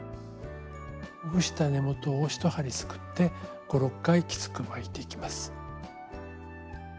ほぐした根元を１針すくって５６回きつく巻いていきます。